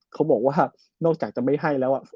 เขาบอกว่านอกจากจะไม่ให้แล้ว